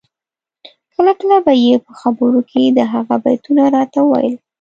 کله کله به یې په خبرو کي د هغه بیتونه راته ویل